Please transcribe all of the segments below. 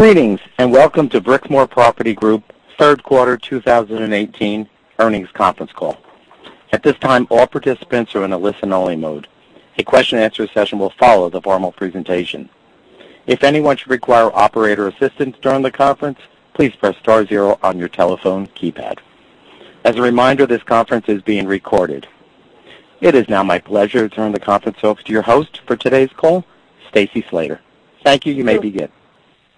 Greetings, and welcome to Brixmor Property Group third quarter 2018 earnings conference call. At this time, all participants are in a listen-only mode. A question and answer session will follow the formal presentation. If anyone should require operator assistance during the conference, please press star zero on your telephone keypad. As a reminder, this conference is being recorded. It is now my pleasure to turn the conference over to your host for today's call, Stacy Slater. Thank you. You may begin.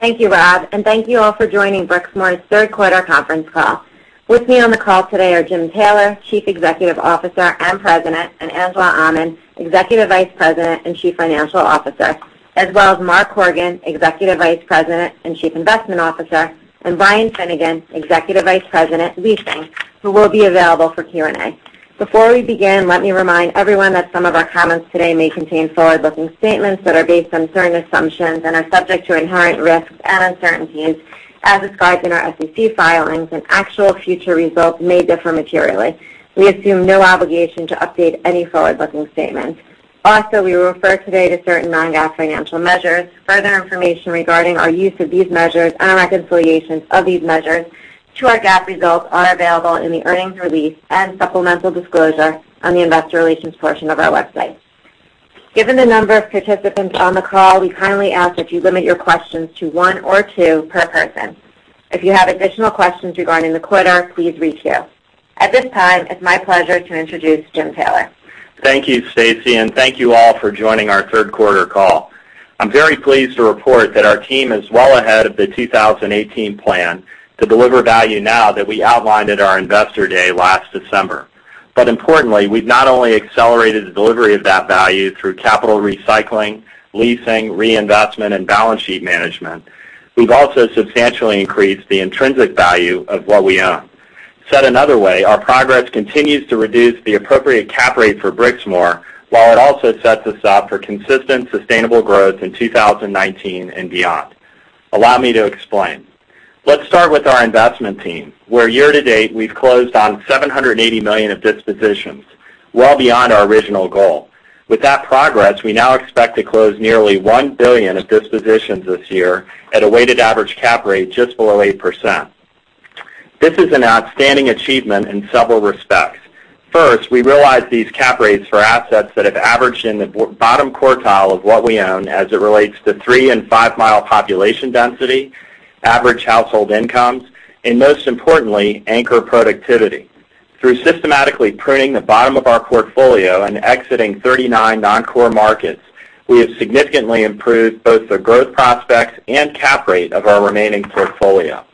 Thank you, Rob, and thank you all for joining Brixmor's third quarter conference call. With me on the call today are Jim Taylor, Chief Executive Officer and President, and Angela Aman, Executive Vice President and Chief Financial Officer, as well as Mark Horgan, Executive Vice President and Chief Investment Officer, and Brian Finnegan, Executive Vice President, Leasing, who will be available for Q&A. Before we begin, let me remind everyone that some of our comments today may contain forward-looking statements that are based on certain assumptions and are subject to inherent risks and uncertainties as described in our SEC filings, and actual future results may differ materially. We assume no obligation to update any forward-looking statements. Also, we refer today to certain non-GAAP financial measures. Further information regarding our use of these measures and reconciliations of these measures to our GAAP results are available in the earnings release and supplemental disclosure on the investor relations portion of our website. Given the number of participants on the call, we kindly ask that you limit your questions to one or two per person. If you have additional questions regarding the quarter, please reach out. At this time, it's my pleasure to introduce Jim Taylor. Thank you, Stacy, and thank you all for joining our third quarter call. I'm very pleased to report that our team is well ahead of the 2018 plan to deliver value now that we outlined at our investor day last December. Importantly, we've not only accelerated the delivery of that value through capital recycling, leasing, reinvestment, and balance sheet management, we've also substantially increased the intrinsic value of what we own. Said another way, our progress continues to reduce the appropriate cap rate for Brixmor, while it also sets us up for consistent, sustainable growth in 2019 and beyond. Allow me to explain. Let's start with our investment team, where year to date, we've closed on $780 million of dispositions, well beyond our original goal. With that progress, we now expect to close nearly $1 billion of dispositions this year at a weighted average cap rate just below 8%. This is an outstanding achievement in several respects. First, we realize these cap rates for assets that have averaged in the bottom quartile of what we own as it relates to 3- and 5-mile population density, average household incomes, and most importantly, anchor productivity. Through systematically pruning the bottom of our portfolio and exiting 39 non-core markets, we have significantly improved both the growth prospects and cap rate of our remaining portfolio.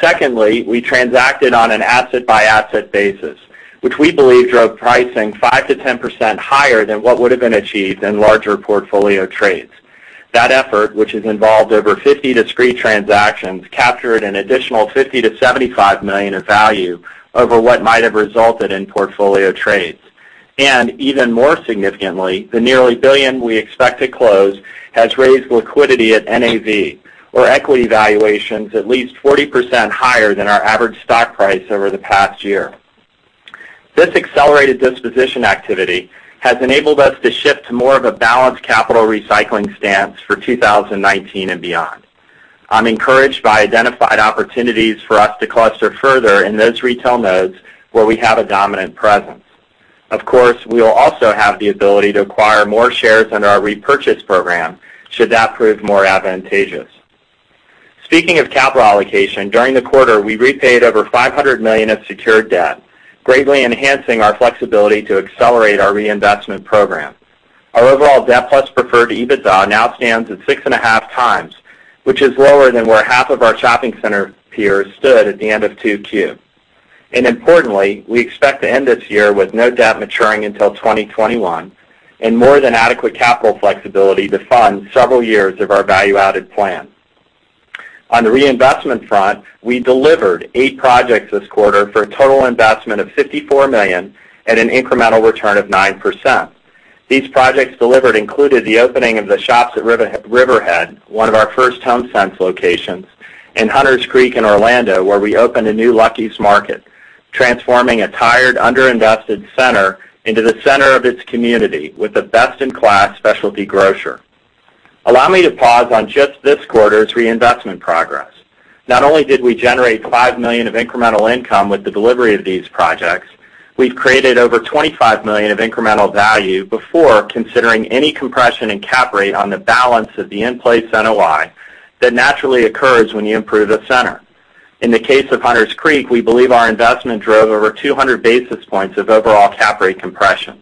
Secondly, we transacted on an asset-by-asset basis, which we believe drove pricing 5%-10% higher than what would've been achieved in larger portfolio trades. That effort, which has involved over 50 discrete transactions, captured an additional $50 million to $75 million of value over what might have resulted in portfolio trades. Even more significantly, the nearly $1 billion we expect to close has raised liquidity at NAV, or equity valuations at least 40% higher than our average stock price over the past year. This accelerated disposition activity has enabled us to shift to more of a balanced capital recycling stance for 2019 and beyond. I'm encouraged by identified opportunities for us to cluster further in those retail nodes where we have a dominant presence. Of course, we will also have the ability to acquire more shares under our repurchase program should that prove more advantageous. Speaking of capital allocation, during the quarter, we repaid over $500 million of secured debt, greatly enhancing our flexibility to accelerate our reinvestment program. Our overall debt plus preferred EBITDA now stands at 6.5 times, which is lower than where half of our shopping center peers stood at the end of Q2. Importantly, we expect to end this year with no debt maturing until 2021 and more than adequate capital flexibility to fund several years of our value-added plan. On the reinvestment front, we delivered eight projects this quarter for a total investment of $54 million at an incremental return of 9%. These projects delivered included the opening of the Shops at Riverhead, one of our first HomeSense locations, and Hunter's Creek in Orlando, where we opened a new Lucky's Market, transforming a tired, under-invested center into the center of its community with a best-in-class specialty grocer. Allow me to pause on just this quarter's reinvestment progress. Not only did we generate $5 million of incremental income with the delivery of these projects, we've created over $25 million of incremental value before considering any compression in cap rate on the balance of the in-place NOI that naturally occurs when you improve the center. In the case of Hunter's Creek, we believe our investment drove over 200 basis points of overall cap rate compression.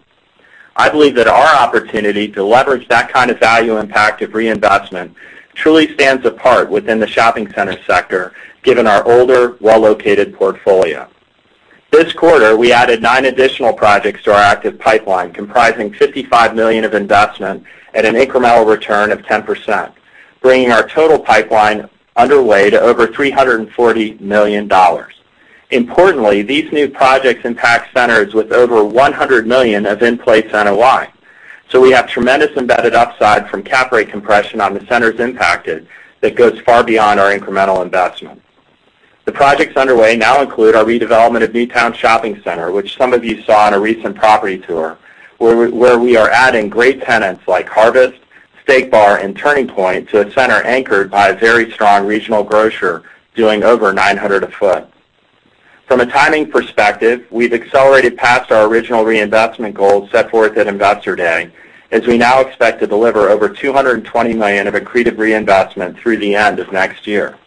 I believe that our opportunity to leverage that kind of value impact of reinvestment truly stands apart within the shopping center sector, given our older, well-located portfolio. This quarter, we added nine additional projects to our active pipeline, comprising $55 million of investment at an incremental return of 10%, bringing our total pipeline underway to over $340 million. Importantly, these new projects impact centers with over $100 million of in-place NOI. We have tremendous embedded upside from cap rate compression on the centers impacted that goes far beyond our incremental investment. The projects underway now include our redevelopment of Newtown Shopping Center, which some of you saw on a recent property tour, where we are adding great tenants like Harvest, Steak Bar, and Turning Point to a center anchored by a very strong regional grocer doing over $900 a foot. From a timing perspective, we've accelerated past our original reinvestment goals set forth at Investor Day, as we now expect to deliver over $220 million of accretive reinvestment through the end of next year.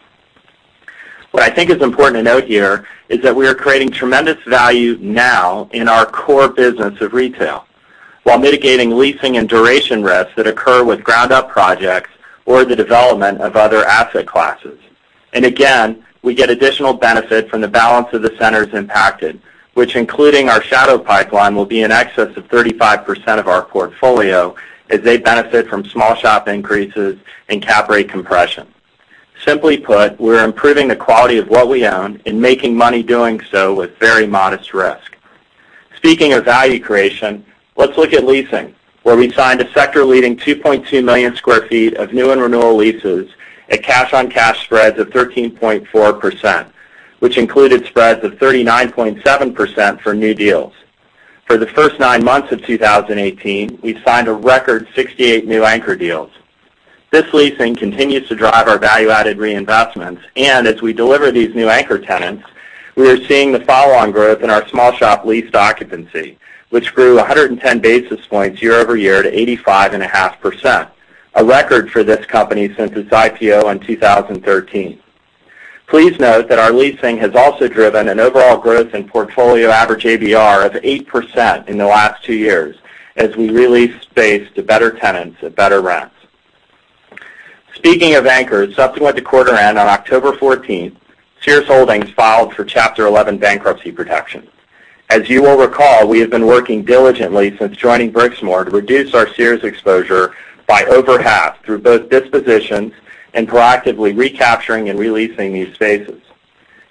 What I think is important to note here is that we are creating tremendous value now in our core business of retail, while mitigating leasing and duration risks that occur with ground-up projects or the development of other asset classes. Again, we get additional benefit from the balance of the centers impacted, which including our shadow pipeline, will be in excess of 35% of our portfolio as they benefit from small shop increases and cap rate compression. Simply put, we're improving the quality of what we own and making money doing so with very modest risk. Speaking of value creation, let's look at leasing, where we signed a sector-leading 2.2 million sq ft of new and renewal leases at cash-on-cash spreads of 13.4%, which included spreads of 39.7% for new deals. For the first nine months of 2018, we've signed a record 68 new anchor deals. This leasing continues to drive our value-added reinvestments. As we deliver these new anchor tenants, we are seeing the follow-on growth in our small shop leased occupancy, which grew 110 basis points year-over-year to 85.5%, a record for this company since its IPO in 2013. Please note that our leasing has also driven an overall growth in portfolio average ABR of 8% in the last two years as we re-leased space to better tenants at better rents. Speaking of anchors, subsequent to quarter end on October 14th, Sears Holdings filed for Chapter 11 bankruptcy protection. As you will recall, we have been working diligently since joining Brixmor to reduce our Sears exposure by over half through both dispositions and proactively recapturing and re-leasing these spaces.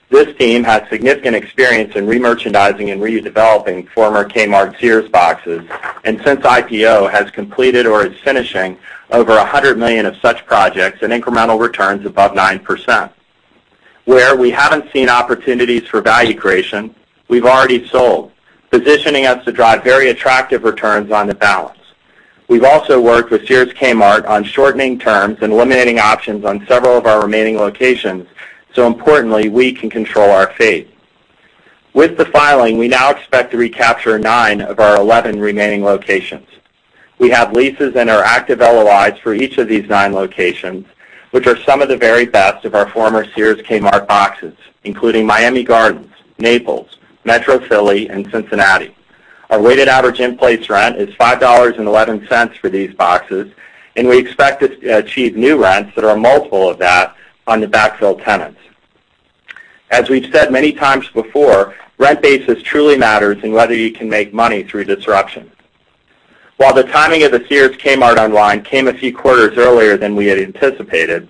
This team has significant experience in re-merchandising and redeveloping former Kmart Sears boxes. Since IPO, has completed or is finishing over $100 million of such projects and incremental returns above 9%. Where we haven't seen opportunities for value creation, we've already sold, positioning us to drive very attractive returns on the balance. We've also worked with Sears Kmart on shortening terms and eliminating options on several of our remaining locations. Importantly, we can control our fate. With the filing, we now expect to recapture nine of our 11 remaining locations. We have leases and are active LOIs for each of these nine locations, which are some of the very best of our former Sears Kmart boxes, including Miami Gardens, Naples, Metro Philly, and Cincinnati. Our weighted average in-place rent is $5.11 for these boxes. We expect to achieve new rents that are a multiple of that on the backfill tenants. As we've said many times before, rent basis truly matters in whether you can make money through disruption. While the timing of the Sears Kmart unwind came a few quarters earlier than we had anticipated,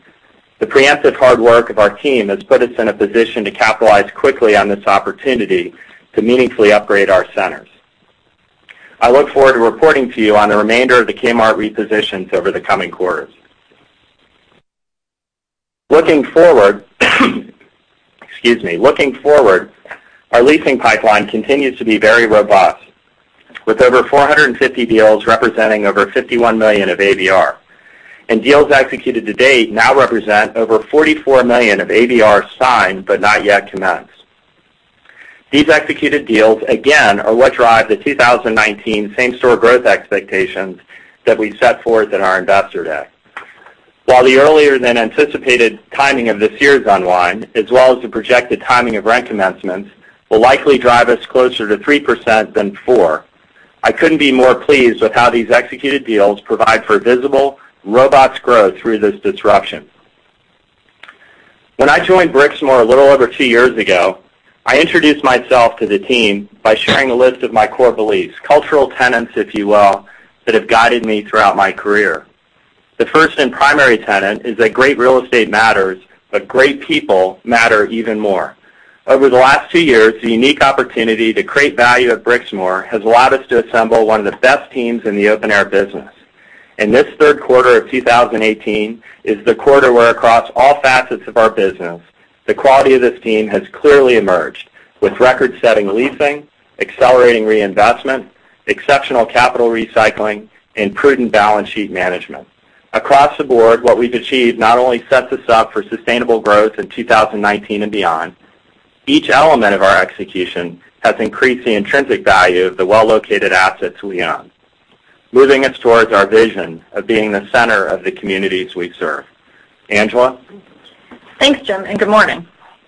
the preemptive hard work of our team has put us in a position to capitalize quickly on this opportunity to meaningfully upgrade our centers. I look forward to reporting to you on the remainder of the Kmart repositions over the coming quarters. Looking forward, our leasing pipeline continues to be very robust, with over 450 deals representing over 51 million of ABR. Deals executed to date now represent over 44 million of ABR signed but not yet commenced. These executed deals, again, are what drive the 2019 same-store growth expectations that we set forth at our Investor Day. While the earlier than anticipated timing of the Sears unwind, as well as the projected timing of rent commencement, will likely drive us closer to 3% than four, I couldn't be more pleased with how these executed deals provide for visible, robust growth through this disruption. When I joined Brixmor a little over two years ago, I introduced myself to the team by sharing a list of my core beliefs, cultural tenets, if you will, that have guided me throughout my career. The first and primary tenet is that great real estate matters. Great people matter even more. Over the last two years, the unique opportunity to create value at Brixmor has allowed us to assemble one of the best teams in the open air business. This third quarter of 2018 is the quarter where across all facets of our business, the quality of this team has clearly emerged with record-setting leasing, accelerating reinvestment, exceptional capital recycling, and prudent balance sheet management. Across the board, what we've achieved not only sets us up for sustainable growth in 2019 and beyond. Each element of our execution has increased the intrinsic value of the well-located assets we own, moving us towards our vision of being the center of the communities we serve. Angela? Thanks, Jim. Good morning.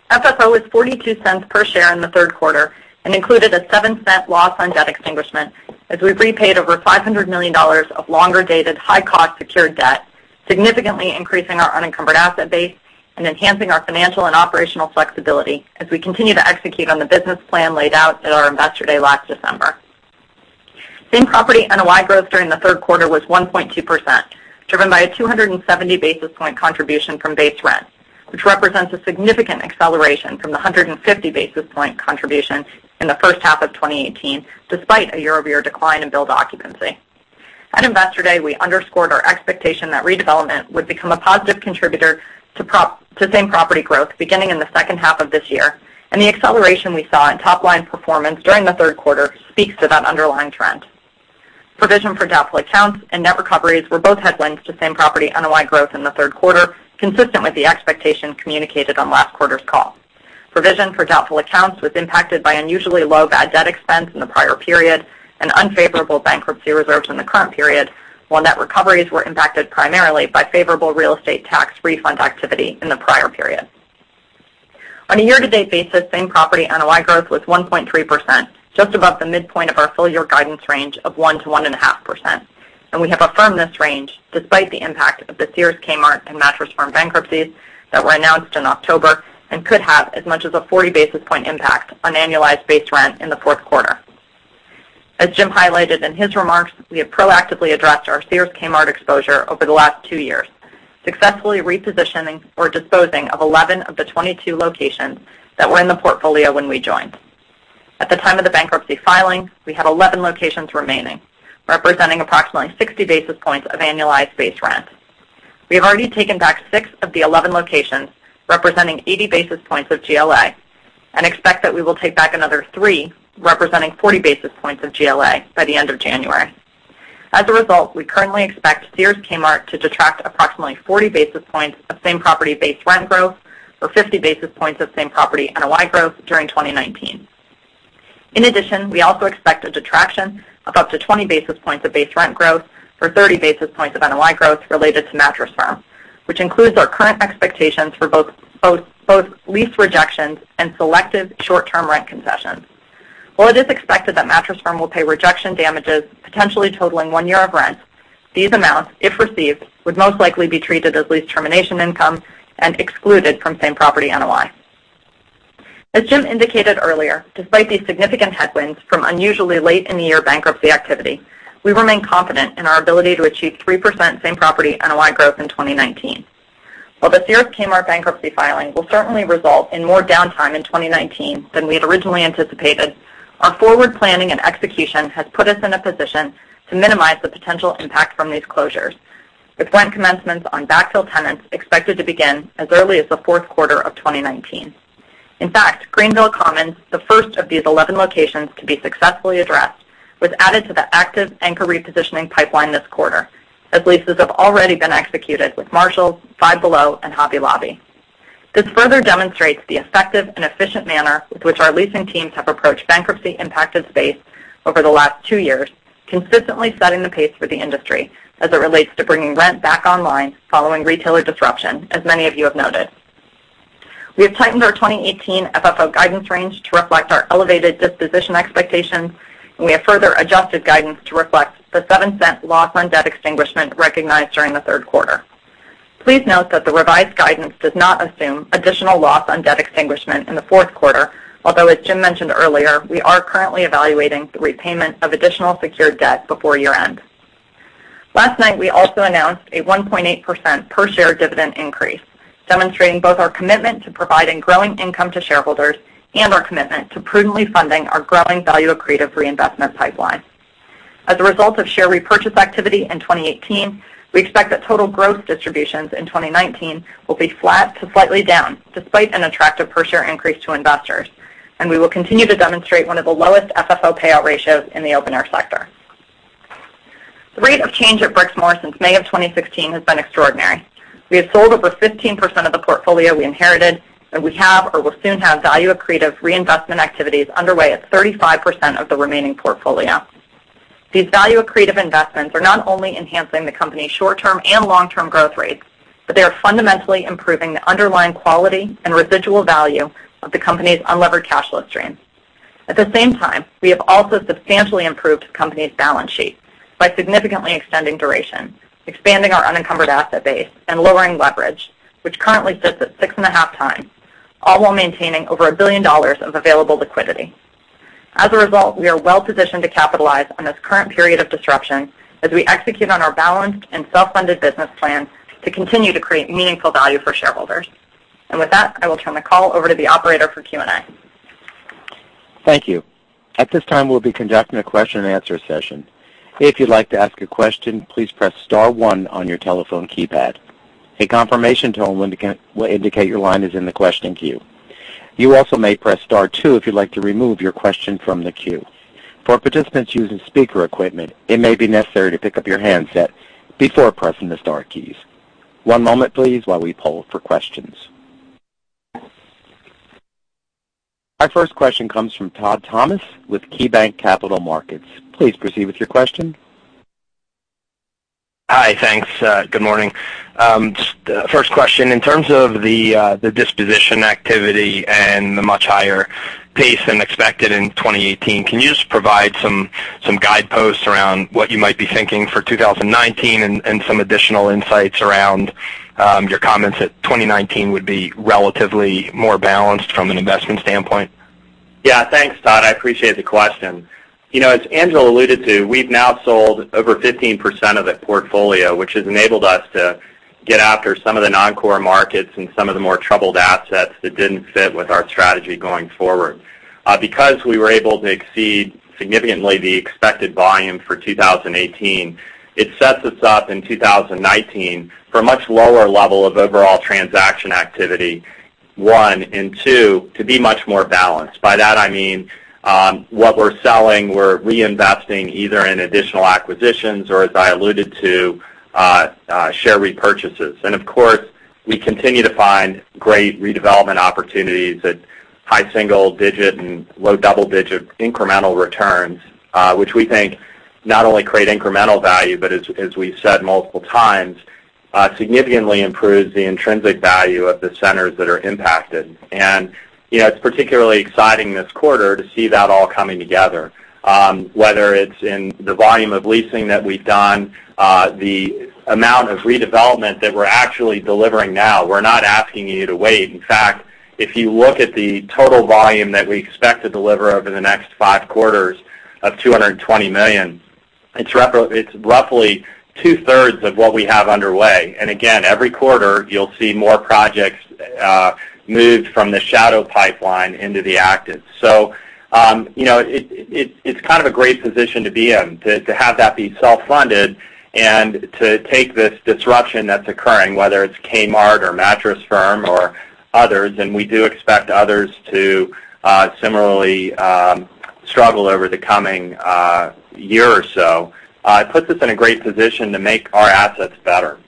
FFO was $0.42 per share in the third quarter and included a $0.07 loss on debt extinguishment as we've repaid over $500 million of longer-dated, high-cost secured debt, significantly increasing our unencumbered asset base and enhancing our financial and operational flexibility as we continue to execute on the business plan laid out at our Investor Day last December. Same property NOI growth during the third quarter was 1.2%, driven by a 270 basis point contribution from base rent, which represents a significant acceleration from the 150 basis point contribution in the first half of 2018, despite a year-over-year decline in build occupancy. At Investor Day, we underscored our expectation that redevelopment would become a positive contributor to same-property growth beginning in the second half of this year. The acceleration we saw in top-line performance during the third quarter speaks to that underlying trend. Provision for doubtful accounts and net recoveries were both headwinds to same-property NOI growth in the third quarter, consistent with the expectation communicated on last quarter's call. Provision for doubtful accounts was impacted by unusually low bad debt expense in the prior period and unfavorable bankruptcy reserves in the current period, while net recoveries were impacted primarily by favorable real estate tax refund activity in the prior period. On a year-to-date basis, same-property NOI growth was 1.3%, just above the midpoint of our full-year guidance range of 1%-1.5%, and we have affirmed this range despite the impact of the Sears, Kmart, and Mattress Firm bankruptcies that were announced in October and could have as much as a 40-basis-point impact on annualized base rent in the fourth quarter. As Jim highlighted in his remarks, we have proactively addressed our Sears/Kmart exposure over the last two years, successfully repositioning or disposing of 11 of the 22 locations that were in the portfolio when we joined. At the time of the bankruptcy filing, we had 11 locations remaining, representing approximately 60 basis points of annualized base rent. We have already taken back six of the 11 locations, representing 80 basis points of GLA, and expect that we will take back another three, representing 40 basis points of GLA by the end of January. As a result, we currently expect Sears/Kmart to detract approximately 40 basis points of same-property base rent growth or 50 basis points of same-property NOI growth during 2019. In addition, we also expect a detraction of up to 20 basis points of base rent growth or 30 basis points of NOI growth related to Mattress Firm, which includes our current expectations for both lease rejections and selective short-term rent concessions. While it is expected that Mattress Firm will pay rejection damages potentially totaling one year of rent, these amounts, if received, would most likely be treated as lease termination income and excluded from same-property NOI. As Jim indicated earlier, despite these significant headwinds from unusually late-in-the-year bankruptcy activity, we remain confident in our ability to achieve 3% same-property NOI growth in 2019. While the Sears/Kmart bankruptcy filing will certainly result in more downtime in 2019 than we had originally anticipated, our forward planning and execution has put us in a position to minimize the potential impact from these closures, with rent commencements on backfill tenants expected to begin as early as the fourth quarter of 2019. In fact, Greenville Commons, the first of these 11 locations to be successfully addressed, was added to the active anchor repositioning pipeline this quarter, as leases have already been executed with Marshalls, Five Below, and Hobby Lobby. This further demonstrates the effective and efficient manner with which our leasing teams have approached bankruptcy-impacted space over the last two years, consistently setting the pace for the industry as it relates to bringing rent back online following retailer disruption, as many of you have noted. We have tightened our 2018 FFO guidance range to reflect our elevated disposition expectations, and we have further adjusted guidance to reflect the $0.07 loss on debt extinguishment recognized during the third quarter. Please note that the revised guidance does not assume additional loss on debt extinguishment in the fourth quarter, although, as Jim mentioned earlier, we are currently evaluating the repayment of additional secured debt before year-end. Last night, we also announced a 1.8% per-share dividend increase, demonstrating both our commitment to providing growing income to shareholders and our commitment to prudently funding our growing value-accretive reinvestment pipeline. As a result of share repurchase activity in 2018, we expect that total gross distributions in 2019 will be flat to slightly down, despite an attractive per-share increase to investors, and we will continue to demonstrate one of the lowest FFO payout ratios in the open-air sector. The rate of change at Brixmor since May of 2016 has been extraordinary. We have sold over 15% of the portfolio we inherited, and we have or will soon have value-accretive reinvestment activities underway at 35% of the remaining portfolio. These value-accretive investments are not only enhancing the company's short-term and long-term growth rates, but they are fundamentally improving the underlying quality and residual value of the company's unlevered cash flow stream. At the same time, we have also substantially improved the company's balance sheet by significantly extending duration, expanding our unencumbered asset base, and lowering leverage, which currently sits at 6.5 times, all while maintaining over a billion dollars of available liquidity. As a result, we are well positioned to capitalize on this current period of disruption as we execute on our balanced and self-funded business plan to continue to create meaningful value for shareholders. With that, I will turn the call over to the operator for Q&A. Thank you. At this time, we'll be conducting a question and answer session. If you'd like to ask a question, please press star 1 on your telephone keypad. A confirmation tone will indicate your line is in the question queue. You also may press star 2 if you'd like to remove your question from the queue. For participants using speaker equipment, it may be necessary to pick up your handset before pressing the star keys. One moment please while we poll for questions. Our first question comes from Todd Thomas with KeyBanc Capital Markets. Please proceed with your question. Hi. Thanks. Good morning. First question, in terms of the disposition activity and the much higher pace than expected in 2018, can you just provide some guideposts around what you might be thinking for 2019 and some additional insights around your comments that 2019 would be relatively more balanced from an investment standpoint? Yeah. Thanks, Todd. I appreciate the question. As Angela alluded to, we've now sold over 15% of the portfolio, which has enabled us to get after some of the non-core markets and some of the more troubled assets that didn't fit with our strategy going forward. Because we were able to exceed significantly the expected volume for 2018, it sets us up in 2019 for a much lower level of overall transaction activity, one, and two, to be much more balanced. By that I mean, what we're selling, we're reinvesting either in additional acquisitions or, as I alluded to, share repurchases. Of course, we continue to find great redevelopment opportunities at high single digit and low double-digit incremental returns, which we think not only create incremental value, but as we've said multiple times, significantly improves the intrinsic value of the centers that are impacted. It's particularly exciting this quarter to see that all coming together, whether it's in the volume of leasing that we've done, the amount of redevelopment that we're actually delivering now. We're not asking you to wait. In fact, if you look at the total volume that we expect to deliver over the next five quarters of $220 million, it's roughly two-thirds of what we have underway. Again, every quarter, you'll see more projects moved from the shadow pipeline into the active. It's kind of a great position to be in, to have that be self-funded and to take this disruption that's occurring, whether it's Kmart or Mattress Firm or others, and we do expect others to similarly struggle over the coming year or so. It puts us in a great position to make our assets better.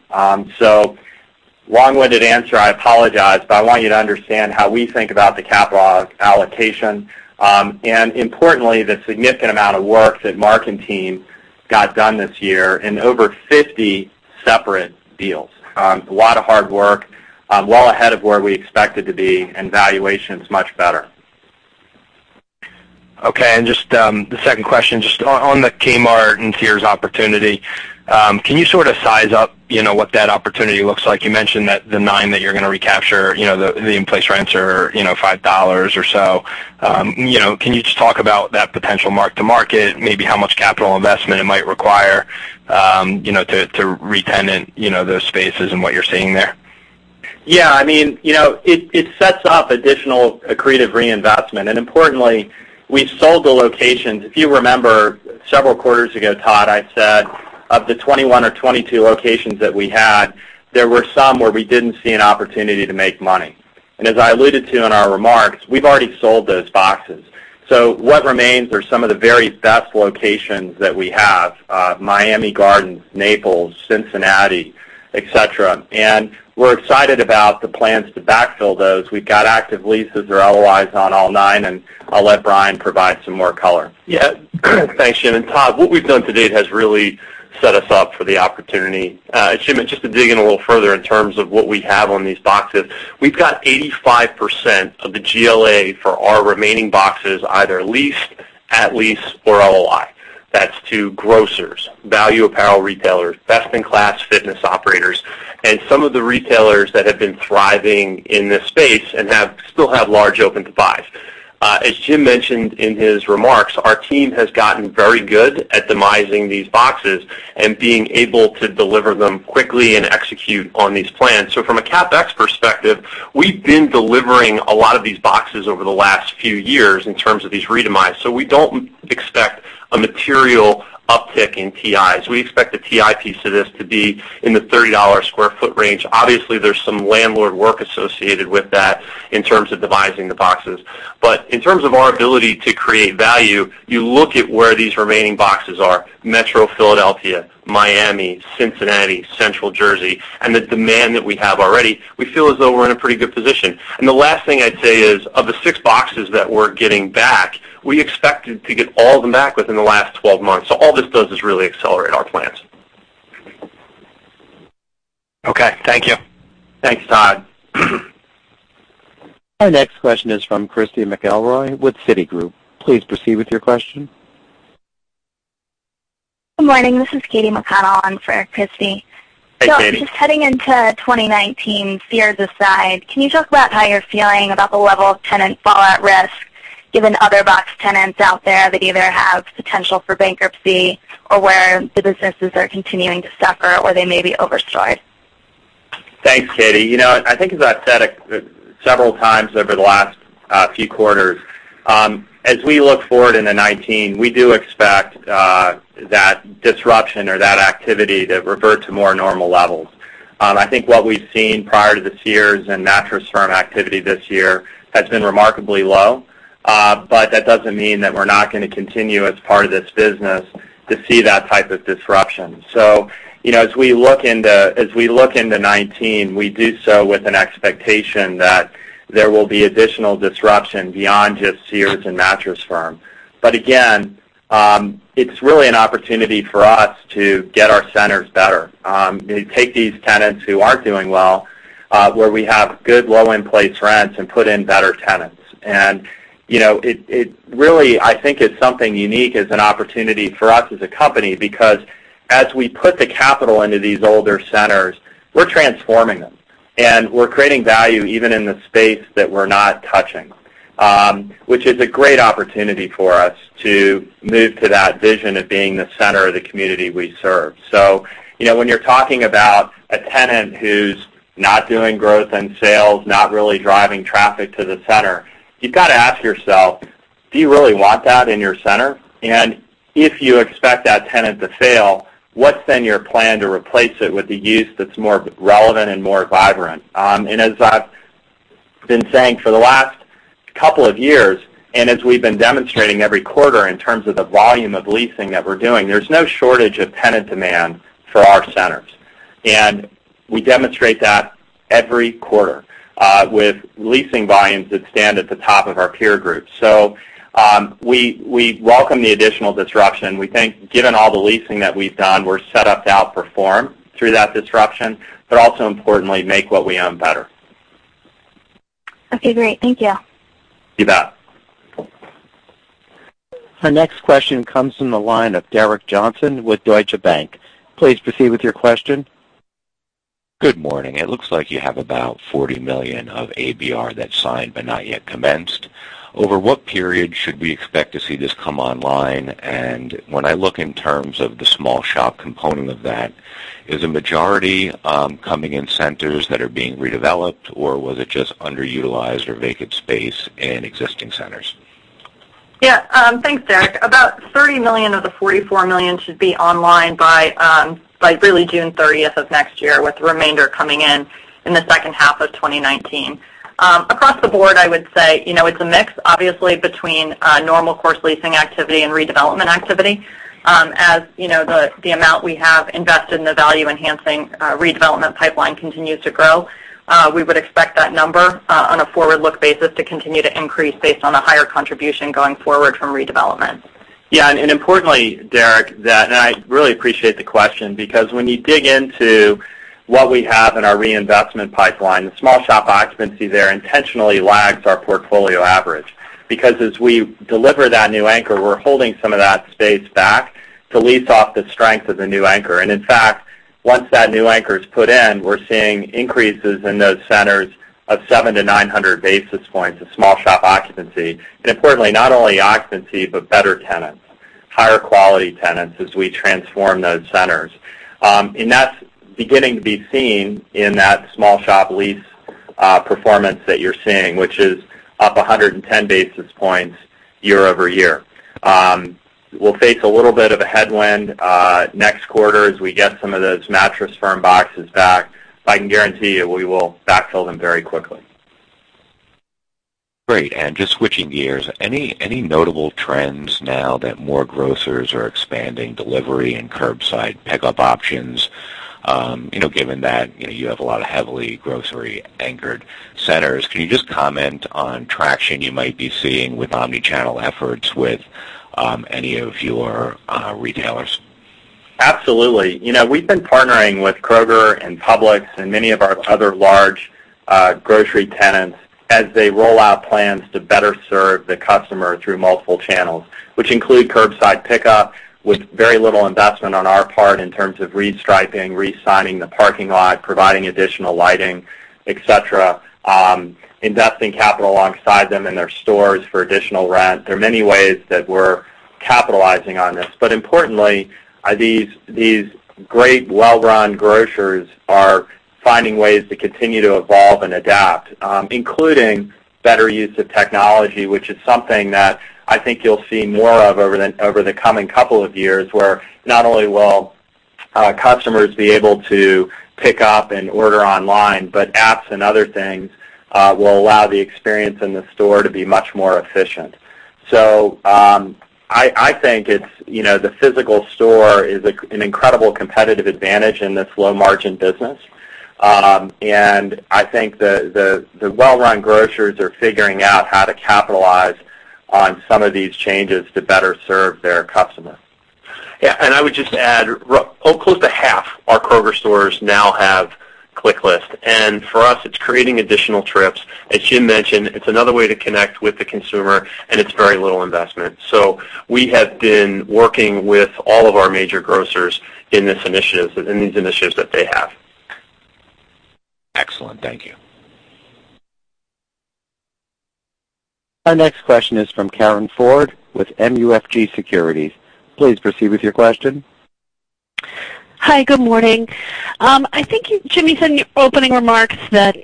Long-winded answer, I apologize, but I want you to understand how we think about the capital allocation. Importantly, the significant amount of work that Mark and team got done this year in over 50 separate deals. A lot of hard work, well ahead of where we expected to be, and valuations much better. Okay, just the second question, just on the Kmart and Sears opportunity, can you sort of size up what that opportunity looks like? You mentioned that the nine that you're going to recapture, the in-place rents are $5 or so. Can you just talk about that potential mark to market, maybe how much capital investment it might require to retenant those spaces and what you're seeing there? Yeah. It sets up additional accretive reinvestment. Importantly, we've sold the locations. If you remember several quarters ago, Todd, I said of the 21 or 22 locations that we had, there were some where we didn't see an opportunity to make money. As I alluded to in our remarks, we've already sold those boxes. What remains are some of the very best locations that we have, Miami Gardens, Naples, Cincinnati, et cetera. We're excited about the plans to backfill those. We've got active leases or LOIs on all nine, and I'll let Brian provide some more color. Yeah. Thanks, Jim. Todd, what we've done to date has really set us up for the opportunity. Jim, just to dig in a little further in terms of what we have on these boxes, we've got 85% of the GLA for our remaining boxes, either leased, at lease or LOI. That's to grocers, value apparel retailers, best-in-class fitness operators, and some of the retailers that have been thriving in this space and still have large open-to-buys. As Jim mentioned in his remarks, our team has gotten very good at demising these boxes and being able to deliver them quickly and execute on these plans. From a CapEx perspective, we've been delivering a lot of these boxes over the last few years in terms of these re-demise. We don't expect a material uptick in TIs. We expect the TI piece of this to be in the $30 a square foot range. Obviously, there's some landlord work associated with that in terms of demising the boxes. In terms of our ability to create value, you look at where these remaining boxes are, Metro Philadelphia, Miami, Cincinnati, Central Jersey, the demand that we have already, we feel as though we're in a pretty good position. The last thing I'd say is, of the six boxes that we're getting back, we expected to get all of them back within the last 12 months. All this does is really accelerate our plans. Okay. Thank you. Thanks, Todd. Our next question is from Christy McElroy with Citigroup. Please proceed with your question. Good morning. This is Katie McConnell in for Christy. Hey, Katie. Just heading into 2019, Sears aside, can you talk about how you're feeling about the level of tenant fallout risk given other box tenants out there that either have potential for bankruptcy or where the businesses are continuing to suffer, or they may be overstored? Thanks, Katie. I think as I've said several times over the last few quarters, as we look forward into 2019, we do expect that disruption or that activity to revert to more normal levels. I think what we've seen prior to the Sears and Mattress Firm activity this year has been remarkably low, but that doesn't mean that we're not going to continue as part of this business to see that type of disruption. As we look into 2019, we do so with an expectation that there will be additional disruption beyond just Sears and Mattress Firm. Again, it's really an opportunity for us to get our centers better. Take these tenants who aren't doing well, where we have good low in-place rents, and put in better tenants. It really, I think, is something unique as an opportunity for us as a company because as we put the capital into these older centers, we're transforming them, and we're creating value even in the space that we're not touching. Which is a great opportunity for us to move to that vision of being the center of the community we serve. When you're talking about a tenant who's not doing growth in sales, not really driving traffic to the center, you've got to ask yourself. Do you really want that in your center? If you expect that tenant to fail, what's then your plan to replace it with a use that's more relevant and more vibrant? As I've been saying for the last couple of years, as we've been demonstrating every quarter in terms of the volume of leasing that we're doing, there's no shortage of tenant demand for our centers. We demonstrate that every quarter, with leasing volumes that stand at the top of our peer group. We welcome the additional disruption. We think given all the leasing that we've done, we're set up to outperform through that disruption, but also importantly, make what we own better. Okay, great. Thank you. You bet. Our next question comes from the line of Derek Johnson with Deutsche Bank. Please proceed with your question. Good morning. It looks like you have about $40 million of ABR that's signed, not yet commenced. Over what period should we expect to see this come online? When I look in terms of the small shop component of that, is the majority coming in centers that are being redeveloped, or was it just underutilized or vacant space in existing centers? Yeah. Thanks, Derek. About $30 million of the $44 million should be online by really June 30th of next year, with the remainder coming in the second half of 2019. Across the board, I would say, it's a mix, obviously, between normal course leasing activity and redevelopment activity. As the amount we have invested in the value-enhancing redevelopment pipeline continues to grow, we would expect that number on a forward-look basis to continue to increase based on a higher contribution going forward from redevelopment. Yeah. Importantly, Derek, I really appreciate the question because when you dig into what we have in our reinvestment pipeline, the small shop occupancy there intentionally lags our portfolio average. Because as we deliver that new anchor, we're holding some of that space back to lease off the strength of the new anchor. In fact, once that new anchor is put in, we're seeing increases in those centers of 700 to 900 basis points of small shop occupancy. Importantly, not only occupancy, better tenants, higher quality tenants as we transform those centers. That's beginning to be seen in that small shop lease performance that you're seeing, which is up 110 basis points year-over-year. We'll face a little bit of a headwind next quarter as we get some of those Mattress Firm boxes back, I can guarantee you we will backfill them very quickly. Great. Just switching gears, any notable trends now that more grocers are expanding delivery and curbside pickup options? Given that you have a lot of heavily grocery anchored centers, can you just comment on traction you might be seeing with omni-channel efforts with any of your retailers? Absolutely. We've been partnering with Kroger and Publix and many of our other large grocery tenants as they roll out plans to better serve the customer through multiple channels, which include curbside pickup with very little investment on our part in terms of restriping, re-signing the parking lot, providing additional lighting, et cetera, investing capital alongside them in their stores for additional rent. There are many ways that we're capitalizing on this. Importantly, these great well-run grocers are finding ways to continue to evolve and adapt, including better use of technology, which is something that I think you'll see more of over the coming couple of years, where not only will customers be able to pick up and order online, but apps and other things will allow the experience in the store to be much more efficient. I think the physical store is an incredible competitive advantage in this low-margin business. I think the well-run grocers are figuring out how to capitalize on some of these changes to better serve their customers. Yeah. I would just add, close to half our Kroger stores now have ClickList. For us, it's creating additional trips. As Jim mentioned, it's another way to connect with the consumer, and it's very little investment. We have been working with all of our major grocers in these initiatives that they have. Excellent. Thank you. Our next question is from Karen Ford with MUFG Securities. Please proceed with your question. Hi, good morning. I think you, Jimmy, said in your opening remarks that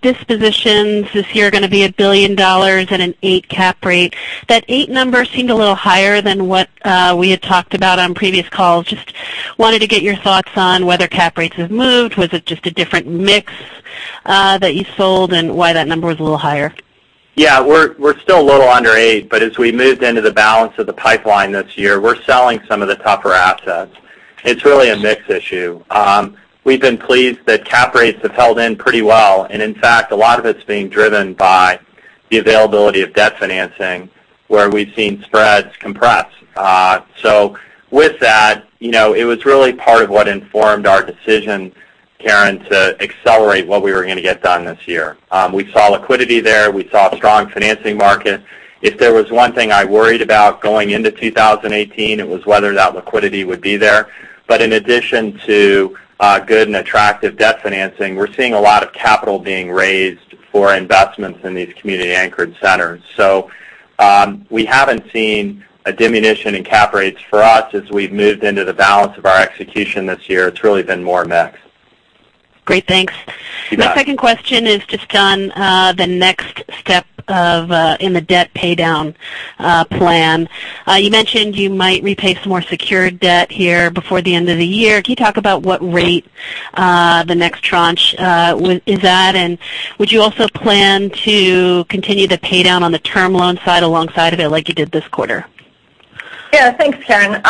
dispositions this year are going to be $1 billion at an eight cap rate. That eight number seemed a little higher than what we had talked about on previous calls. Just wanted to get your thoughts on whether cap rates have moved. Was it just a different mix that you sold, and why that number was a little higher? Yeah. We're still a little under eight, but as we moved into the balance of the pipeline this year, we're selling some of the tougher assets. It's really a mix issue. We've been pleased that cap rates have held in pretty well, and in fact, a lot of it's being driven by the availability of debt financing, where we've seen spreads compress. With that, it was really part of what informed our decision, Karen, to accelerate what we were going to get done this year. We saw liquidity there. We saw a strong financing market. If there was one thing I worried about going into 2018, it was whether that liquidity would be there. In addition to good and attractive debt financing, we're seeing a lot of capital being raised for investments in these community anchored centers. We haven't seen a diminution in cap rates for us as we've moved into the balance of our execution this year. It's really been more mix. Great. Thanks. You bet. My second question is just on the next step in the debt paydown plan. You mentioned you might repay some more secured debt here before the end of the year. Can you talk about what rate the next tranche is at? Would you also plan to continue the paydown on the term loan side alongside of it like you did this quarter? Thanks, Karen.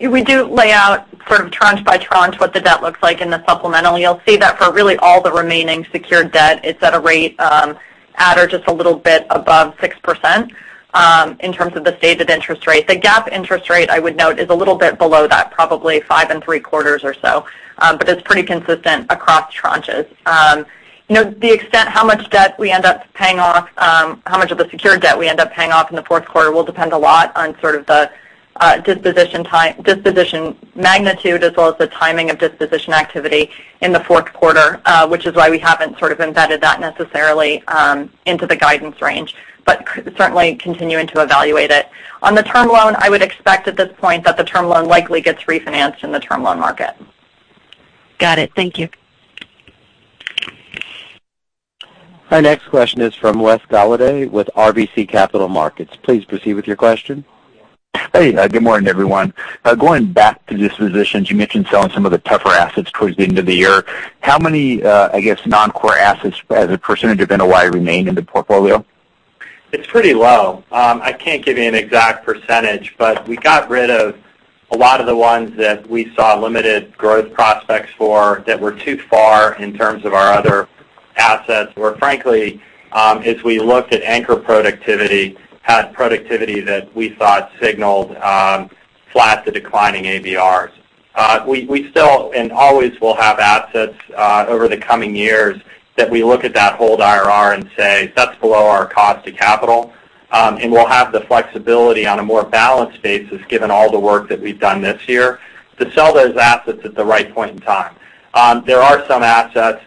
We do lay out sort of tranche by tranche what the debt looks like in the supplemental. You'll see that for really all the remaining secured debt, it's at a rate at or just a little bit above 6% in terms of the stated interest rate. The GAAP interest rate, I would note, is a little bit below that, probably five and three quarters or so. It's pretty consistent across tranches. The extent how much of the secured debt we end up paying off in the fourth quarter will depend a lot on sort of the disposition magnitude as well as the timing of disposition activity in the fourth quarter, which is why we haven't sort of embedded that necessarily into the guidance range, but certainly continuing to evaluate it. On the term loan, I would expect at this point that the term loan likely gets refinanced in the term loan market. Got it. Thank you. Our next question is from Wes Golladay with RBC Capital Markets. Please proceed with your question. Hey. Good morning, everyone. Going back to dispositions, you mentioned selling some of the tougher assets towards the end of the year. How many, I guess, non-core assets as a percentage of NOI remain in the portfolio? It's pretty low. I can't give you an exact percentage, but we got rid of a lot of the ones that we saw limited growth prospects for that were too far in terms of our other assets, where frankly, as we looked at anchor productivity, had productivity that we thought signaled flat to declining ABRs. We still and always will have assets over the coming years that we look at that hold IRR and say, "That's below our cost to capital." We'll have the flexibility on a more balanced basis, given all the work that we've done this year, to sell those assets at the right point in time. There are some assets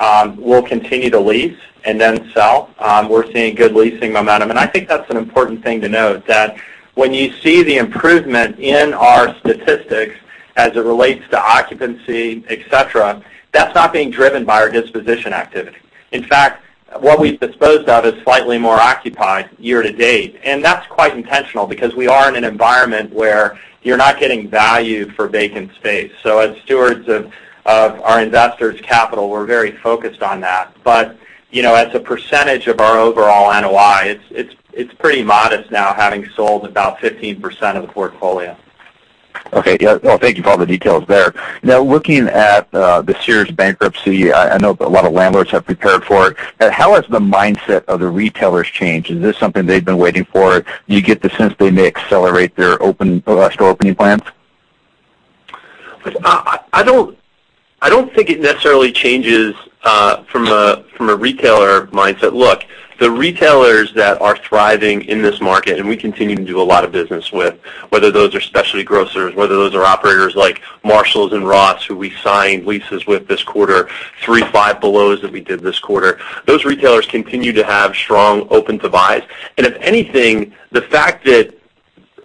that we'll continue to lease and then sell. We're seeing good leasing momentum. I think that's an important thing to note, that when you see the improvement in our statistics as it relates to occupancy, et cetera, that's not being driven by our disposition activity. In fact, what we've disposed of is slightly more occupied year to date, and that's quite intentional because we are in an environment where you're not getting value for vacant space. As stewards of our investors' capital, we're very focused on that. As a percentage of our overall NOI, it's pretty modest now, having sold about 15% of the portfolio. Okay. Yeah. Well, thank you for all the details there. Now, looking at the Sears bankruptcy, I know a lot of landlords have prepared for it. How has the mindset of the retailers changed? Is this something they've been waiting for? Do you get the sense they may accelerate their store opening plans? I don't think it necessarily changes from a retailer mindset. Look, the retailers that are thriving in this market, and we continue to do a lot of business with, whether those are specialty grocers, whether those are operators like Marshalls and Ross, who we signed leases with this quarter, 3 Five Belows that we did this quarter. Those retailers continue to have strong open-to-buys. If anything, the fact that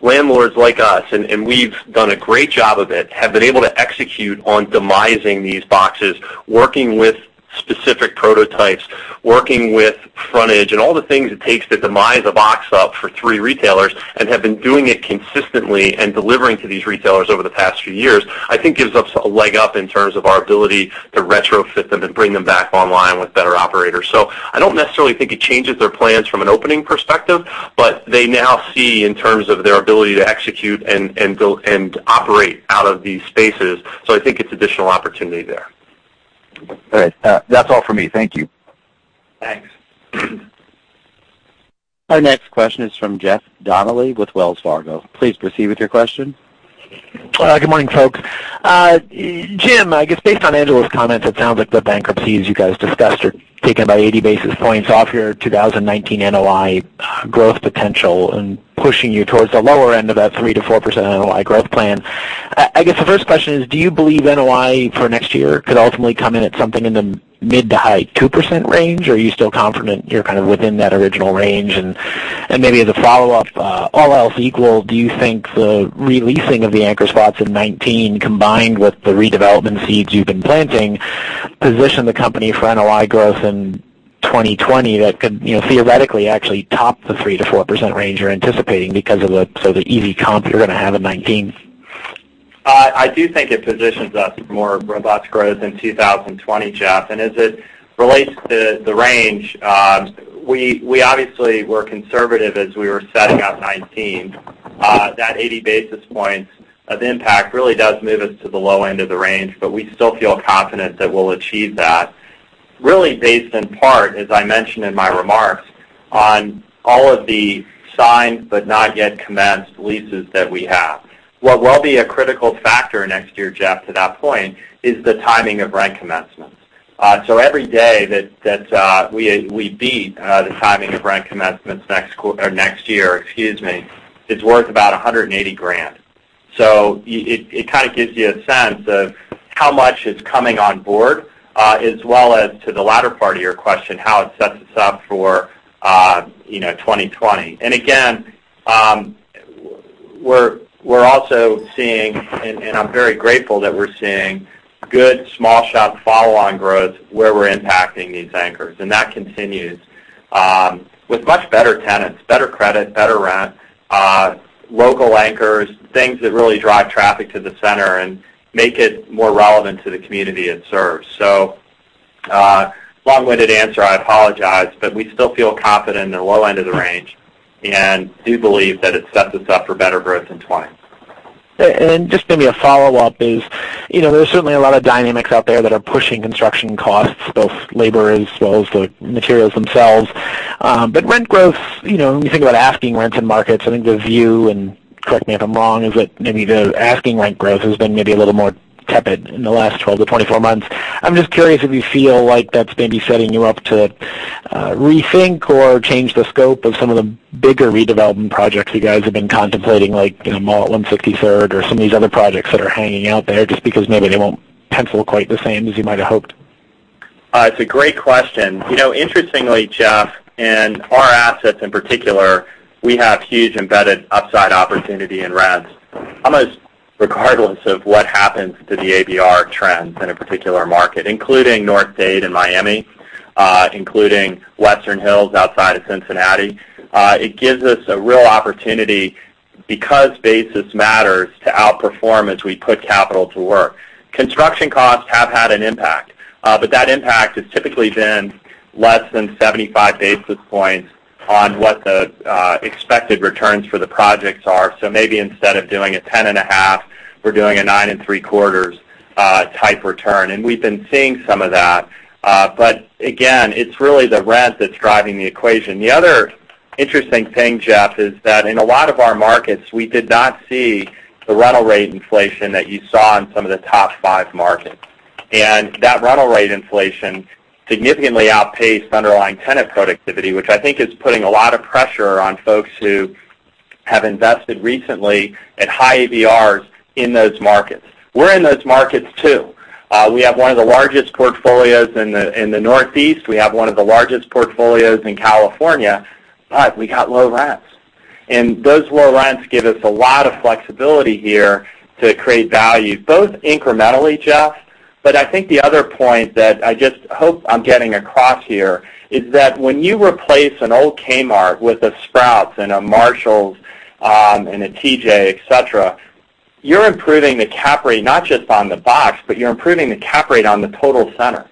landlords like us, and we've done a great job of it, have been able to execute on demising these boxes, working with specific prototypes, working with frontage and all the things it takes to demise a box up for 3 retailers, and have been doing it consistently and delivering to these retailers over the past few years, I think gives us a leg up in terms of our ability to retrofit them and bring them back online with better operators. I don't necessarily think it changes their plans from an opening perspective, but they now see in terms of their ability to execute and operate out of these spaces. I think it's additional opportunity there. All right. That's all for me. Thank you. Thanks. Our next question is from Jeffrey Donnelly with Wells Fargo. Please proceed with your question. Good morning, folks. Jim, I guess based on Angela's comments, it sounds like the bankruptcies you guys discussed are taken about 80 basis points off your 2019 NOI growth potential and pushing you towards the lower end of that 3%-4% NOI growth plan. I guess the first question is, do you believe NOI for next year could ultimately come in at something in the mid to high 2% range, or are you still confident you're kind of within that original range? Maybe as a follow-up, all else equal, do you think the re-leasing of the anchor spots in 2019 combined with the redevelopment seeds you've been planting position the company for NOI growth in 2020 that could theoretically actually top the 3%-4% range you're anticipating because of the easy comps you're going to have in 2019? I do think it positions us for more robust growth in 2020, Jeff. As it relates to the range, we obviously were conservative as we were setting out 2019. That 80 basis points of impact really does move us to the low end of the range, but we still feel confident that we'll achieve that, really based in part, as I mentioned in my remarks, on all of the signed but not yet commenced leases that we have. Every day that we beat the timing of rent commencements next year, it's worth about $180,000. It kind of gives you a sense of how much is coming on board, as well as to the latter part of your question, how it sets us up for 2020. Again, we're also seeing, and I'm very grateful that we're seeing good small shop follow-on growth where we're impacting these anchors. That continues with much better tenants, better credit, better rent, local anchors, things that really drive traffic to the center and make it more relevant to the community it serves. Long-winded answer, I apologize, but we still feel confident in the low end of the range and do believe that it sets us up for better growth in 2020. Just maybe a follow-up is, there's certainly a lot of dynamics out there that are pushing construction costs, both labor as well as the materials themselves. Rent growth, when you think about asking rents and markets, I think the view, and correct me if I'm wrong, is that maybe the asking rent growth has been maybe a little more tepid in the last 12-24 months. I'm just curious if you feel like that's maybe setting you up to rethink or change the scope of some of the bigger redevelopment projects you guys have been contemplating, like Mall at 163rd or some of these other projects that are hanging out there just because maybe they won't pencil quite the same as you might've hoped. It's a great question. Interestingly, Jeff, in our assets in particular, we have huge embedded upside opportunity in rents, almost regardless of what happens to the AVR trends in a particular market, including North Dade and Miami, including Western Hills outside of Cincinnati. It gives us a real opportunity, because basis matters, to outperform as we put capital to work. Construction costs have had an impact. That impact has typically been less than 75 basis points on what the expected returns for the projects are. Maybe instead of doing a 10.5, we're doing a 9.75 type return. We've been seeing some of that. Again, it's really the rent that's driving the equation. The other interesting thing, Jeff, is that in a lot of our markets, we did not see the rental rate inflation that you saw in some of the top five markets. That rental rate inflation significantly outpaced underlying tenant productivity, which I think is putting a lot of pressure on folks who have invested recently at high AVRs in those markets. We're in those markets too. We have one of the largest portfolios in the Northeast. We have one of the largest portfolios in California. We got low rents. Those low rents give us a lot of flexibility here to create value, both incrementally, Jeff. I think the other point that I just hope I'm getting across here is that when you replace an old Kmart with a Sprouts and a Marshalls, and a TJ, et cetera, you're improving the cap rate, not just on the box, but you're improving the cap rate on the total center.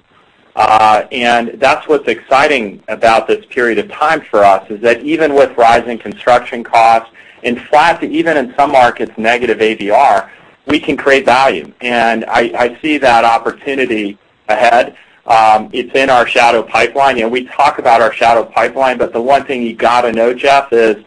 That's what's exciting about this period of time for us is that even with rising construction costs, in flat to even in some markets, negative AVR, we can create value. I see that opportunity ahead. It's in our shadow pipeline. We talk about our shadow pipeline, but the one thing you got to know, Jeff, is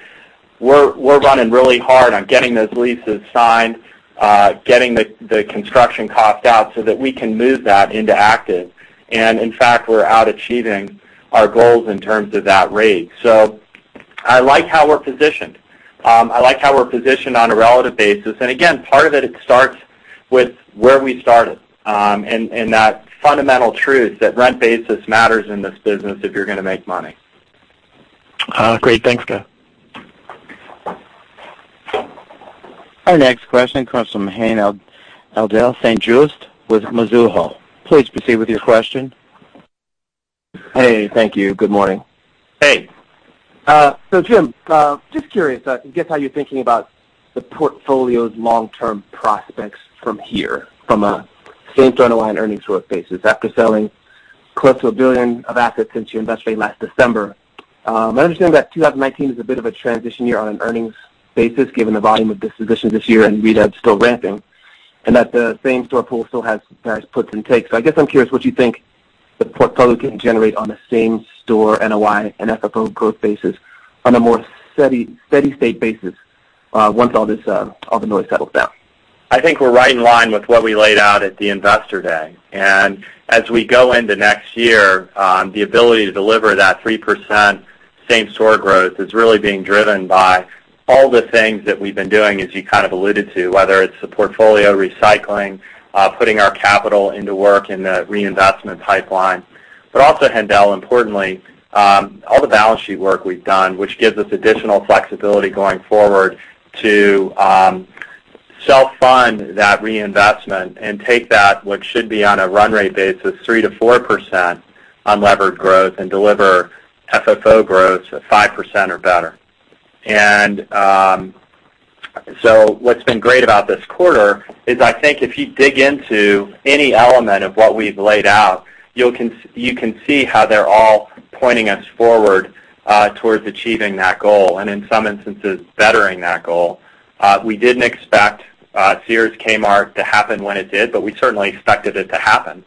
we're running really hard on getting those leases signed, getting the construction cost out so that we can move that into active. In fact, we're out achieving our goals in terms of that rate. I like how we're positioned. I like how we're positioned on a relative basis. Again, part of it starts with where we started. That fundamental truth, that rent basis matters in this business if you're going to make money. Great. Thanks, Scott. Our next question comes from Haendel St. Juste with Mizuho. Please proceed with your question. Hey, thank you. Good morning. Hey. Jim, just curious, I guess, how you're thinking about the portfolio's long-term prospects from here from a same store NOI and earnings growth basis after selling close to $1 billion of assets since you invested last December. I understand that 2019 is a bit of a transition year on an earnings basis, given the volume of dispositions this year and redev still ramping, and that the same store pool still has various puts and takes. I guess I'm curious what you think the portfolio can generate on the same store NOI and FFO growth basis on a more steady-state basis, once all the noise settles down. I think we're right in line with what we laid out at the investor day. As we go into next year, the ability to deliver that 3% same store growth is really being driven by all the things that we've been doing, as you kind of alluded to, whether it's the portfolio recycling, putting our capital into work in the reinvestment pipeline. Also, Haendel, importantly, all the balance sheet work we've done, which gives us additional flexibility going forward to self-fund that reinvestment and take that, what should be on a run rate basis, 3%-4% unlevered growth and deliver FFO growth of 5% or better. What's been great about this quarter is I think if you dig into any element of what we've laid out, you can see how they're all pointing us forward towards achieving that goal, and in some instances, bettering that goal. We didn't expect Sears Kmart to happen when it did, but we certainly expected it to happen.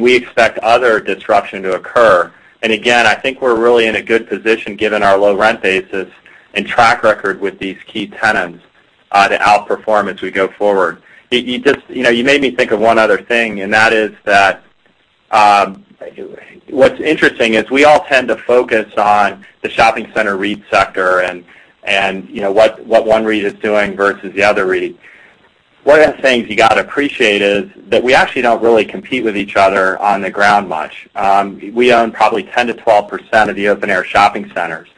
We expect other disruption to occur. Again, I think we're really in a good position given our low rent basis and track record with these key tenants, to outperformance as we go forward. You made me think of one other thing, and that is that what's interesting is we all tend to focus on the shopping center REIT sector and what one REIT is doing versus the other REIT. One of the things you got to appreciate is that we actually don't really compete with each other on the ground much. We own probably 10%-12% of the open-air shopping centers.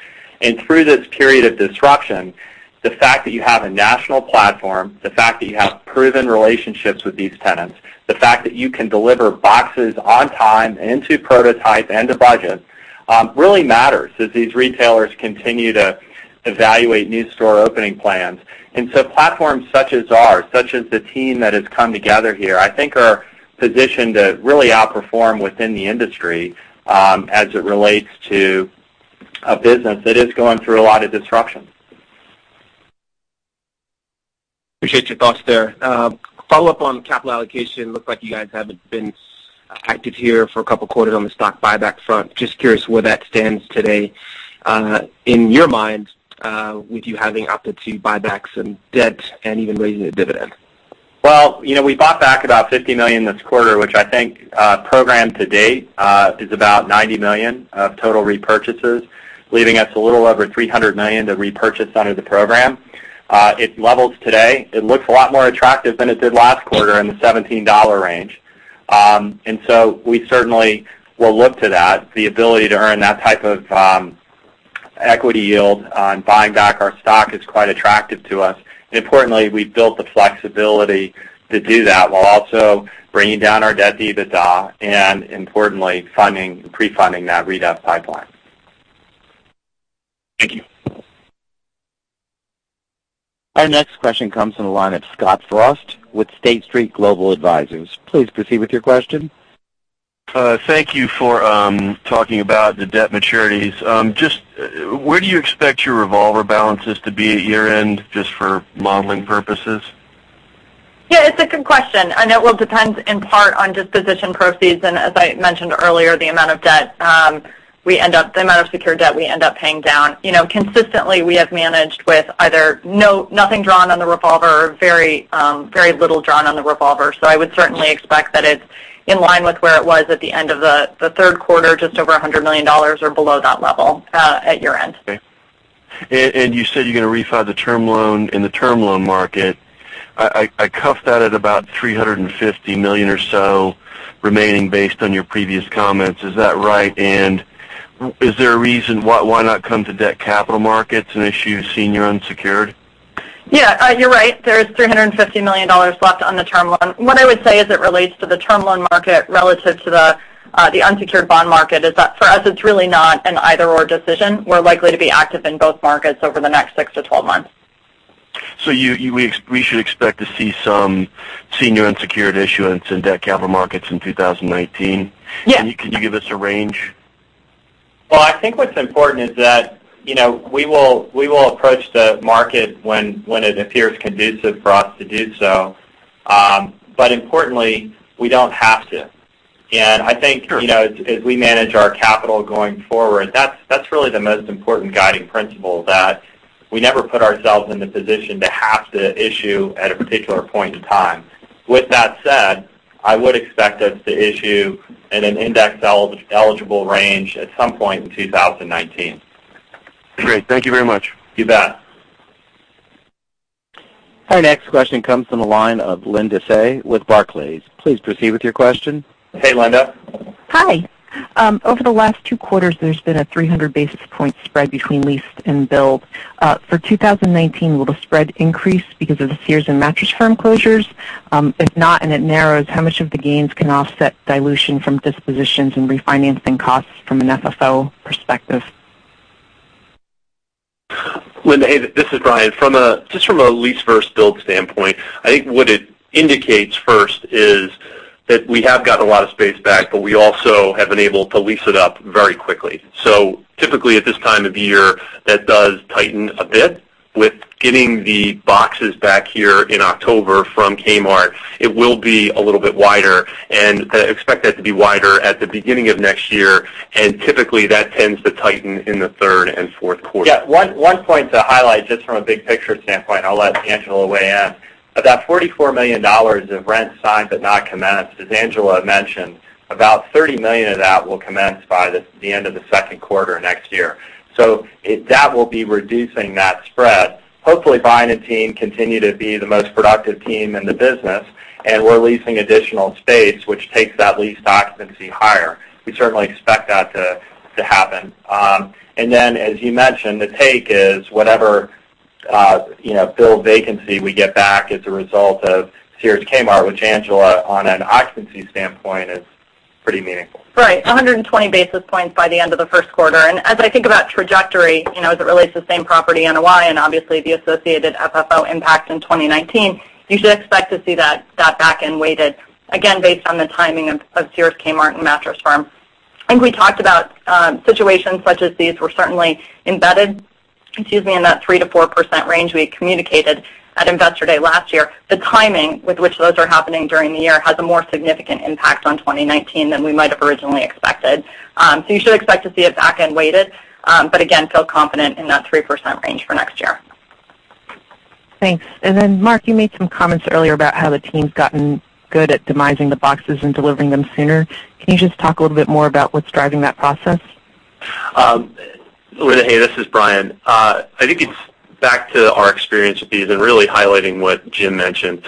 Through this period of disruption, the fact that you have a national platform, the fact that you have proven relationships with these tenants, the fact that you can deliver boxes on time and to prototype and to budget, really matters as these retailers continue to evaluate new store opening plans. Platforms such as ours, such as the team that has come together here, I think are positioned to really outperform within the industry, as it relates to a business that is going through a lot of disruption. Appreciate your thoughts there. A follow-up on capital allocation. Looks like you guys haven't been active here for a couple of quarters on the stock buyback front. Just curious where that stands today, in your mind, with you having opted to buybacks and debt and even raising the dividend. Well, we bought back about $50 million this quarter, which I think, program to date, is about $90 million of total repurchases, leaving us a little over $300 million to repurchase under the program. At levels today, it looks a lot more attractive than it did last quarter in the $17 range. We certainly will look to that. The ability to earn that type of equity yield on buying back our stock is quite attractive to us. Importantly, we've built the flexibility to do that while also bringing down our debt to EBITDA and importantly, pre-funding that redev pipeline. Thank you. Our next question comes from the line of Scott Frost with State Street Global Advisors. Please proceed with your question. Thank you for talking about the debt maturities. Just where do you expect your revolver balances to be at year-end, just for modeling purposes? It's a good question, and it will depend in part on disposition proceeds and, as I mentioned earlier, the amount of secured debt we end up paying down. Consistently, we have managed with either nothing drawn on the revolver or very little drawn on the revolver. I would certainly expect that it's in line with where it was at the end of the third quarter, just over $100 million or below that level at year-end. Okay. You said you're going to refi the term loan in the term loan market. I pegged that at about $350 million or so remaining based on your previous comments. Is that right, and is there a reason why not come to debt capital markets and issue senior unsecured? Yeah. You're right. There's $350 million left on the term loan. What I would say as it relates to the term loan market relative to the unsecured bond market is that for us, it's really not an either/or decision. We're likely to be active in both markets over the next six to 12 months. We should expect to see some senior unsecured issuance in debt capital markets in 2019? Yeah. Can you give us a range? Well, I think what's important is that we will approach the market when it appears conducive for us to do so. Importantly, we don't have to. Sure As we manage our capital going forward, that's really the most important guiding principle, that we never put ourselves in the position to have to issue at a particular point in time. With that said, I would expect us to issue in an index-eligible range at some point in 2019. Great. Thank you very much. You bet. Our next question comes from the line of Linda Tsai with Barclays. Please proceed with your question. Hey, Linda. Hi. Over the last two quarters, there has been a 300 basis point spread between leased and build. For 2019, will the spread increase because of the Sears and Mattress Firm closures? If not, and it narrows, how much of the gains can offset dilution from dispositions and refinancing costs from an FFO perspective? Linda, hey, this is Brian. Just from a lease first build standpoint, I think what it indicates first is that we have gotten a lot of space back, but we also have been able to lease it up very quickly. Typically, at this time of year, that does tighten a bit. With getting the boxes back here in October from Kmart, it will be a little bit wider, and expect that to be wider at the beginning of next year. Typically, that tends to tighten in the third and fourth quarter. Yeah. One point to highlight, just from a big picture standpoint, I'll let Angela weigh in. About $44 million of rent signed but not commenced, as Angela mentioned, about $30 million of that will commence by the end of the second quarter next year. That will be reducing that spread. Hopefully, Brian and team continue to be the most productive team in the business, and we're leasing additional space, which takes that lease occupancy higher. We certainly expect that to happen. Then, as you mentioned, the take is whatever build vacancy we get back as a result of Sears Kmart, which Angela, on an occupancy standpoint, is pretty meaningful. Right. 120 basis points by the end of the first quarter. As I think about trajectory, as it relates to same property NOI, and obviously the associated FFO impact in 2019, you should expect to see that back-end weighted. Again, based on the timing of Sears Kmart and Mattress Firm. I think we talked about situations such as these were certainly embedded, excuse me, in that 3%-4% range we had communicated at Investor Day last year. The timing with which those are happening during the year has a more significant impact on 2019 than we might have originally expected. You should expect to see it back-end weighted, but again, feel confident in that 3% range for next year. Thanks. Then Mark, you made some comments earlier about how the team's gotten good at demising the boxes and delivering them sooner. Can you just talk a little bit more about what's driving that process? Linda, hey, this is Brian. I think it's back to our experience with these and really highlighting what Jim mentioned.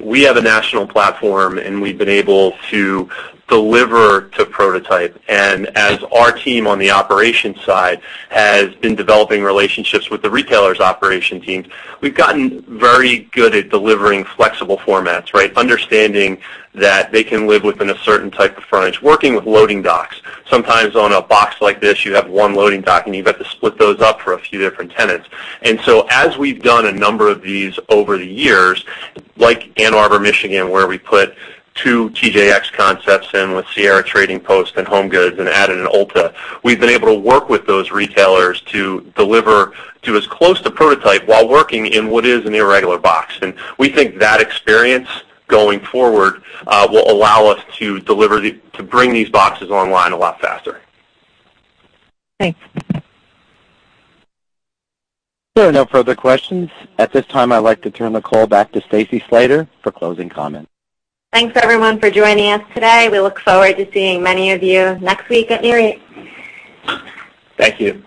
We have a national platform, and we've been able to deliver to prototype. As our team on the operations side has been developing relationships with the retailers' operation teams, we've gotten very good at delivering flexible formats, right? Understanding that they can live within a certain type of frontage, working with loading docks. Sometimes on a box like this, you have one loading dock, and you've got to split those up for a few different tenants. As we've done a number of these over the years, like Ann Arbor, Michigan, where we put two TJX concepts in with Sierra Trading Post and HomeGoods and added an Ulta, we've been able to work with those retailers to deliver to as close to prototype while working in what is an irregular box. We think that experience going forward will allow us to bring these boxes online a lot faster. Thanks. There are no further questions. At this time, I'd like to turn the call back to Stacy Slater for closing comments. Thanks everyone for joining us today. We look forward to seeing many of you next week at Nareit. Thank you.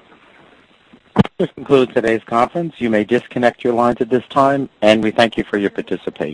This concludes today's conference. You may disconnect your lines at this time, and we thank you for your participation.